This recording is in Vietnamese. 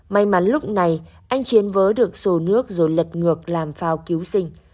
may mắn lúc này anh chiến vớ được sổ nước rồi lật ngược làm phao cứu sinh